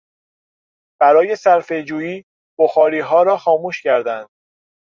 برای صرفه جویی بخاریها را خاموش کردند.